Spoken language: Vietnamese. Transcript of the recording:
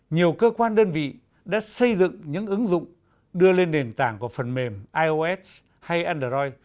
nhiều cơ quan đơn vị đã xây dựng những ứng dụng đưa lên nền tảng của phần mềm ios hay android